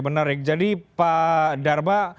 benar rick jadi pak darba